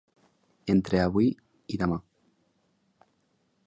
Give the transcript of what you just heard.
Entre avui i demà.